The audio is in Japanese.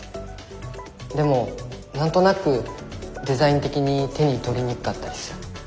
でも何となくデザイン的に手に取りにくかったりする。